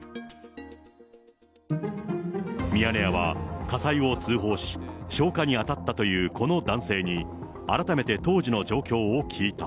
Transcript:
ミヤネ屋は火災を通報し、消火に当たったというこの男性に、改めて当時の状況を聞いた。